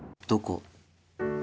どこ？